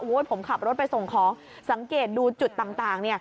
ผมขับรถไปส่งของสังเกตดูจุดต่าง